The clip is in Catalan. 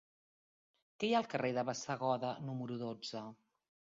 Què hi ha al carrer de Bassegoda número dotze?